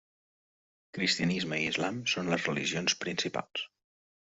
Cristianisme i Islam són les religions principals.